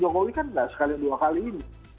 jokowi kan enggak sekali dua kali ini